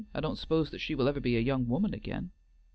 I don't suppose that she will ever be a young woman again."